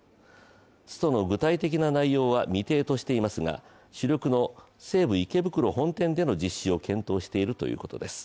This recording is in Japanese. ストの具体的な内容は未定としていますが主力の西武池袋本店での実施を検討しているということです。